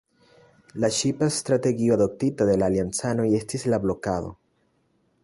La ŝipa strategio adoptita de la aliancanoj estis la blokado.